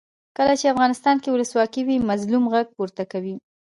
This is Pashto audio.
کله چې افغانستان کې ولسواکي وي مظلوم غږ پورته کوي.